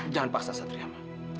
jangan paksa satria ma